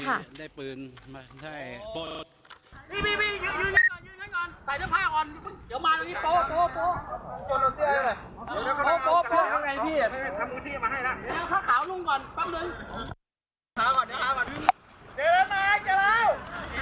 กลับมาก่อนปั๊บหนึ่ง